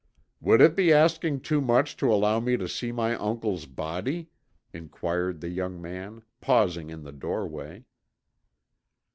"Would it be asking too much to allow me to see my uncle's body?" inquired the young man, pausing in the doorway.